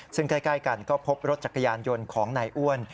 ซึ่งใกล้กันก็พบรถจักรยานยนต์ของนายอ้วน